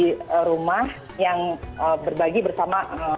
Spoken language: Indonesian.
di rumah yang berbagi bersama warga lokal